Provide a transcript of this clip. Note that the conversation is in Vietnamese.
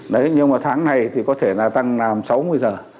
đấy nhưng mà tháng này thì có thể là tăng làm sáu mươi giờ